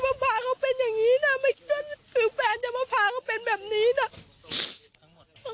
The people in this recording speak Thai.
มาพาเขาเป็นอย่างนี้นะคือแฟนจะมาพาเขาเป็นแบบนี้นะ